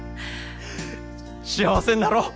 幸せになろう！